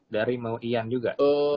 dari mau iyan juga